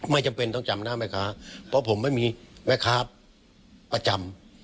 จำเป็นต้องจำหน้าแม่ค้าเพราะผมไม่มีแม่ค้าประจำ